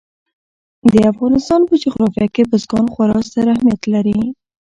د افغانستان په جغرافیه کې بزګان خورا ستر اهمیت لري.